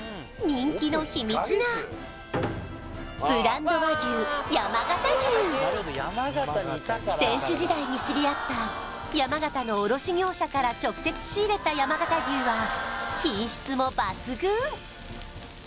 人気の秘密が選手時代に知り合った山形の卸業者から直接仕入れた山形牛は品質も抜群！